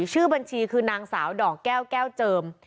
ชื่อบัญชีคือนางสาวดอกแก้วแก้วเจิม